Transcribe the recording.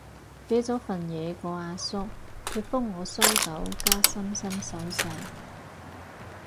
畀咗份嘢個阿叔，佢覆我收到加心心手勢